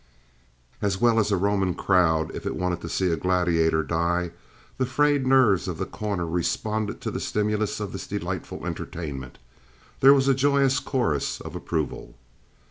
As well as a Roman crowd if it wanted to see a gladiator die, the frayed nerves of The Corner responded to the stimulus of this delightful entertainment. There was a joyous chorus of approval.